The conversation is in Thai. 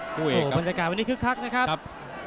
คู่เอกครับครับ